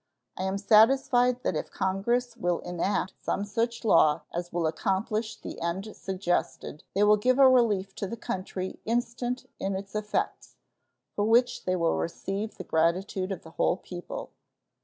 I am satisfied that if Congress will enact some such law as will accomplish the end suggested they will give a relief to the country instant in its effects, and for which they will receive the gratitude of the whole people.